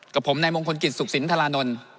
กับผมในมงคลกิจสุขศิลป์ธารานนท์